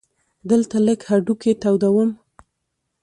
دلته لږ هډوکي تودوم.